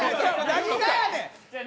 何がやねん！